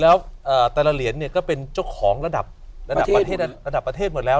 แล้วแต่ละเหรียญเนี่ยก็เป็นเจ้าของระดับระดับประเทศหมดแล้ว